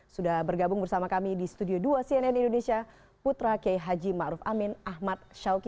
sudah bergabung bersama kami di studio dua cnn indonesia putra k haji ma'ruf amin ahmad syawki